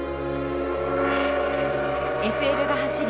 ＳＬが走り